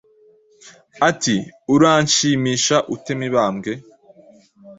Ati " Uranshimisha ute Mibambwe ?"